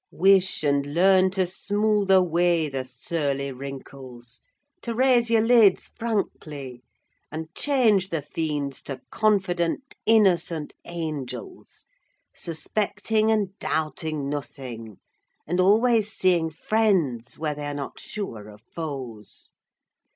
Wish and learn to smooth away the surly wrinkles, to raise your lids frankly, and change the fiends to confident, innocent angels, suspecting and doubting nothing, and always seeing friends where they are not sure of foes.